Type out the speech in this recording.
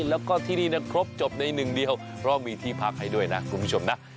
แล้วก็ที่นี่ครบจบในหนึ่งเดียวเพราะมีที่พักให้ด้วยนะคุณผู้ชมนะ